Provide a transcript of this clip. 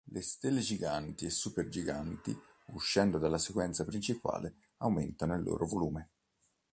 Le stelle giganti e supergiganti, uscendo dalla sequenza principale, aumentano il loro volume.